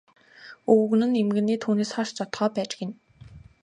Өвгөн нь эмгэнээ түүнээс хойш зодохоо байж гэнэ.